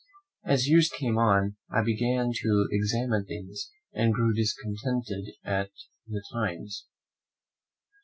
As years came on, I began to examine things, and grew discontented at the times.